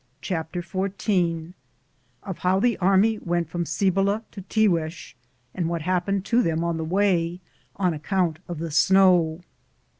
CHAPTER XIV Of bow the army went from Cibola to Tiguex and what happened to them on the war, on account of the snow.